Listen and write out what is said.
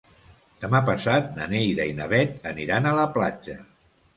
Demà passat na Neida i na Bet aniran a la platja.